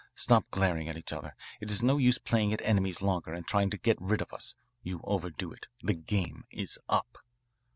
Stop glaring at each other. It is no use playing at enemies longer and trying to get rid of us. You overdo it. The game is up."